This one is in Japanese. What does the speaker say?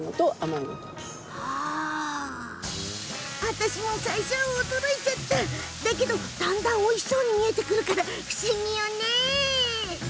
私も最初は驚いたけどだんだんおいしそうに見えてくるから不思議よね！